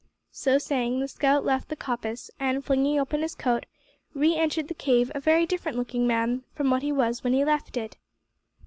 So saying, the scout left the coppice, and, flinging open his coat, re entered the cave a very different looking man from what he was when he left it.